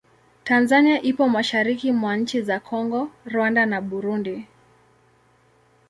Tanzania ipo mashariki mwa nchi za Kongo, Rwanda na Burundi.